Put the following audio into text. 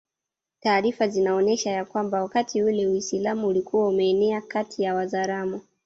Taarifa zinaonyesha ya kwamba wakati ule Uislamu ulikuwa umeenea kati ya Wazaramo